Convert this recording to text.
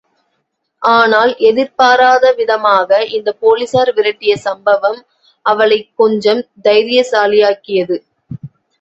ஆனால் எதிர்பாராதவிதமாக இந்த போலீசார் விரட்டிய சம்பவம் அவளைக் கொஞ்சம் தைரியசாலியாக்கியது.